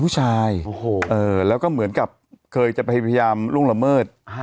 แล้วก็เหมือนกับเคยจะพยายามล่วงละเมิด